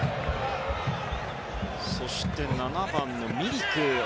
そして、７番のミリク。